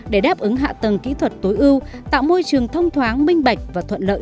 để đáp ứng hạ tầng kỹ thuật tối ưu tạo môi trường thông thoáng minh bạch và thuận lợi